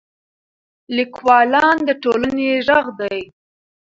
لیکوالان د ټولنې ږغ دي.